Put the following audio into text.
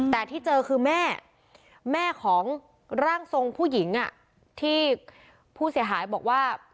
แต่ที่เจอคือแม่แม่ของร่างทรงผู้หญิงที่ผู้เสียหายบอกว่า